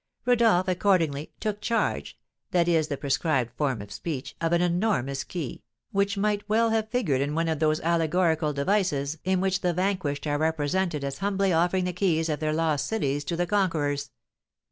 Rodolph accordingly "took charge" (that is the prescribed form of speech) of an enormous key, which might well have figured in one of those allegorical devices in which the vanquished are represented as humbly offering the keys of their lost cities to the conquerors.